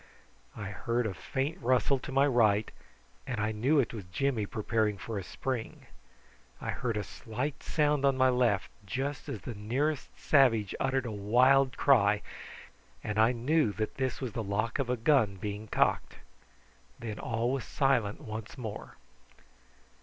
I heard a faint rustle to my right, and I knew it was Jimmy preparing for a spring. I heard a slight sound on my left just as the nearest savage uttered a wild cry, and I knew that this was the lock of a gun being cocked. Then all was silent once more.